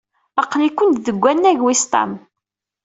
Aql-ikent deg wannag wis ṭam.